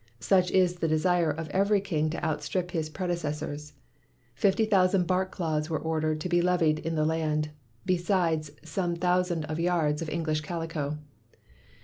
Such is the de sire of every king to outstrip his predeces sors. Fifty thousand bark cloths were or dered to be levied in the land, besides some thousand of yards of English calico.